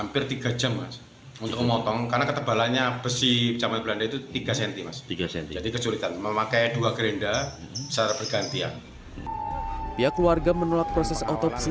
pihak keluarga menolak proses otopsi